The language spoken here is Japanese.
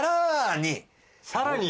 さらに？